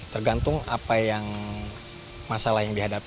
tergantung apa yang masalah yang dihadapi